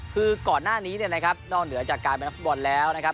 คือก่อนหน้านี้เนี่ยนะครับนอกเหนือจากการเป็นนักฟุตบอลแล้วนะครับ